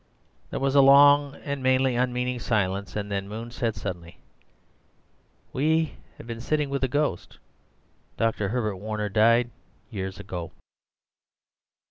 There was a long and mainly unmeaning silence, and then Moon said suddenly, "We have been sitting with a ghost. Dr. Herbert Warner died years ago."